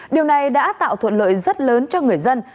điều này đã tạo thuận lợi rất lớn cho người dân